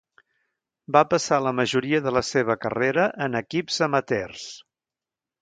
Va passar la majoria de la seva carrera en equips amateurs.